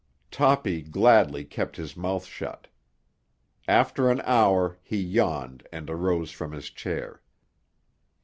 Toppy gladly kept his mouth shut. After an hour he yawned and arose from his chair.